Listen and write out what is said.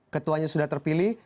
ketuanya sudah terpilih